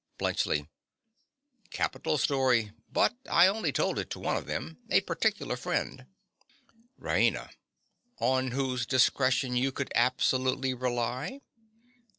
BLUNTSCHLI. Capital story. But I only told it to one of them—a particular friend. RAINA. On whose discretion you could absolutely rely?